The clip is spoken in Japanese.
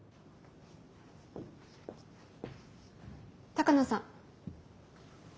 鷹野さん。